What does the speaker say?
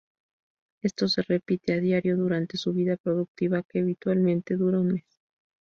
Esto se repite a diario durante su vida productiva, que habitualmente dura un mes.